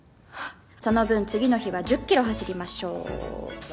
その分次の日は１０キロ走りましょう。